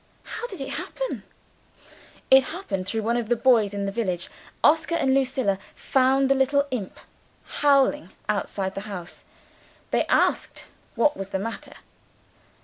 "How did it happen?" "It happened through one of the boys in the village. Oscar and Lucilla found the little imp howling outside the house. They asked what was the matter.